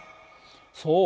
そう。